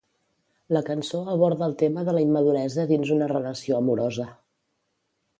La cançó aborda el tema de la immaduresa dins una relació amorosa.